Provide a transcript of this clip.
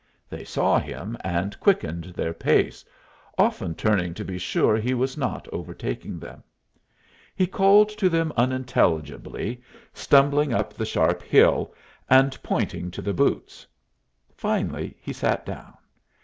They saw him, and quickened their pace, often turning to be sure he was not overtaking them. He called to them unintelligibly, stumbling up the sharp hill, and pointing to the boots. Finally he sat down.